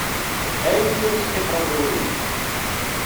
Ɛawen-iyi ad nestixer aẓru-a.